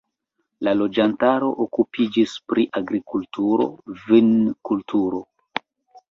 La loĝantaro okupiĝis pri agrikulturo, vinkulturo.